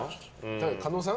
狩野さん？